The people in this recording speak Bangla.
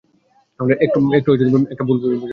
একটা ভুল বোঝাবুঝি হয়েছে।